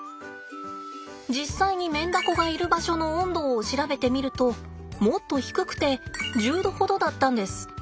実際にメンダコがいる場所の温度を調べてみるともっと低くて１０℃ほどだったんです。